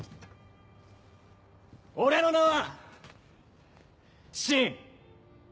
俺の名は信！